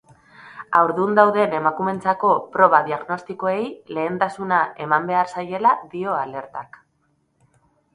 Haurdun dauden emakumeentzako proba diagnostikoei lehentasuna eman behar zaiela dio alertak.